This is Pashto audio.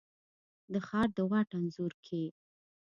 د ښار د واټ انځور کي،